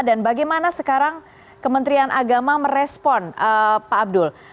dan bagaimana sekarang kementerian agama merespon pak abdul